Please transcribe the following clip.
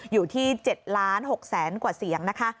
อยู่ที่๗๖๐๐๐กว่าเสียงนะคะ